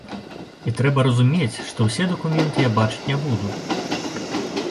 І трэба разумець, што ўсе дакументы я бачыць не буду.